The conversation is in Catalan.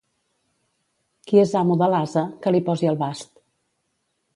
Qui és amo de l'ase, que li posi el bast.